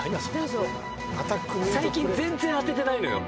最近全然当ててないのよ。